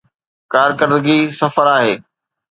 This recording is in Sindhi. ڪارڪردگي صفر آهي.